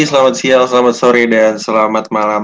selamat siang selamat sore dan selamat malam